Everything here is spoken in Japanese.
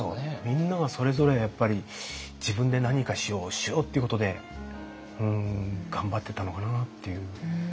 みんながそれぞれやっぱり自分で何かしようしようっていうことで頑張ってたのかなっていう。